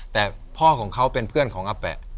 แต่พ่อของเขาเป็นเพื่อนของอาแปะ